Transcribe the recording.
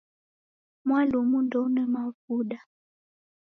Mwalumu ndeuna mavuda